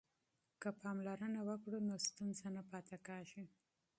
که اختراع وکړو نو ستونزه نه پاتې کیږي.